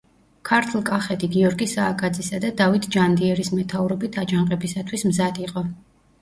ქართლ-კახეთი გიორგი სააკაძისა და დავით ჯანდიერის მეთაურობით აჯანყებისათვის მზად იყო.